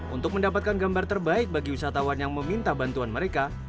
untuk mendapatkan gambar terbaik bagi wisatawan yang meminta bantuan mereka